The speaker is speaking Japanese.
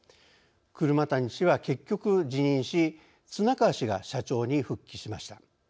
車谷氏は結局、辞任し綱川氏が社長に復帰しました。